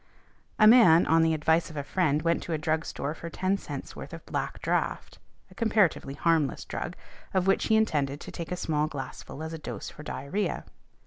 A man, on the advice of a friend, went to a drug store for ten cents worth of "black draught," a comparatively harmless drug, of which he intended to take a small glassful as a dose for diarrhœa.